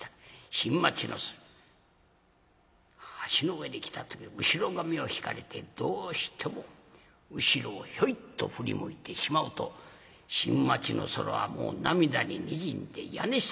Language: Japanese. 新町の橋の上に来た時後ろ髪を引かれてどうしても後ろをヒョイッと振り向いてしまうと新町の空はもう涙ににじんで屋根一つすらまいりません。